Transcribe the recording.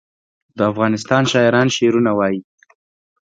د افغانستان شاعران شعرونه وايي